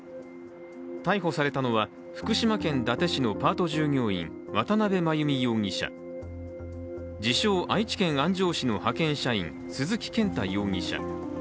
逮捕されたのは、福島県伊達市のパート従業員、渡邉真由美容疑者、自称・愛知県安城市の派遣社員鈴木健太容疑者